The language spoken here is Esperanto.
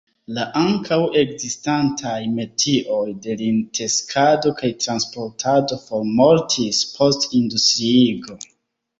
La ankaŭ ekzistantaj metioj de lin-teksado kaj transportado formortis post industriigo.